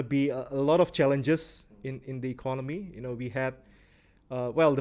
akan ada banyak tantangan dalam ekonomi